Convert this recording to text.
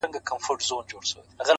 یوار مسجد ته ګورم بیا و درمسال ته ګورم